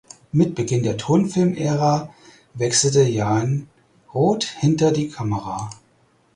Mit Beginn der Tonfilmära wechselte Jan Roth hinter die Kamera.